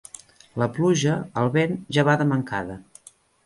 La pluja, el vent, ja va de mancada.